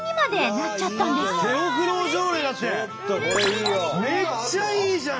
めっちゃいいじゃん！